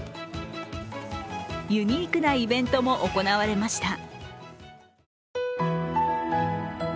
ユニークなイベントも行われました。